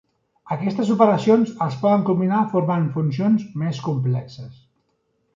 Aquestes operacions es poden combinar formant funcions més complexes.